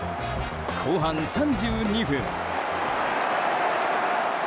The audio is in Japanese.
後半３２分。